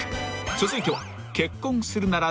続いては］